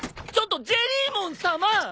ちょっとジェリーモンさま！